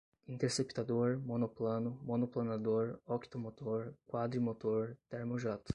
Interceptador, monoplano, monoplanador, octomotor, quadrimotor, termojato